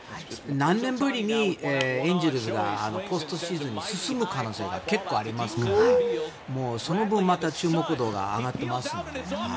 何年ぶりにエンゼルスがポストシーズンに進む可能性が結構ありますからもうその分また注目度が上がっていますね。